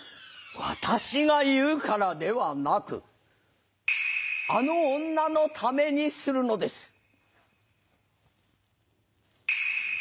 私が言うからではなくあの女のためにするのです。